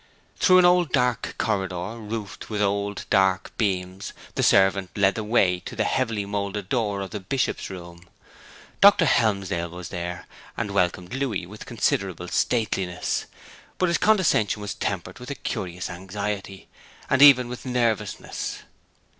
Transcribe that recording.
Through an old dark corridor, roofed with old dark beams, the servant led the way to the heavily moulded door of the Bishop's room. Dr. Helmsdale was there, and welcomed Louis with considerable stateliness. But his condescension was tempered with a curious anxiety, and even with nervousness.